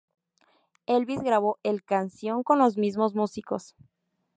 Elvis grabó el canción con los mismos músicos.